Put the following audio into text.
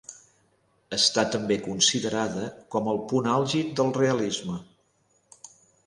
Està també considerada com el punt àlgid del realisme.